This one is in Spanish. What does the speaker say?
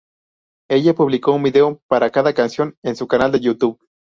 Ella publicó un video para cada canción en su canal de YouTube.